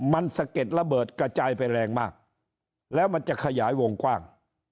มันสะเก็ดระเบิดกระจายไปแรงมากแล้วมันจะขยายวงกว้าง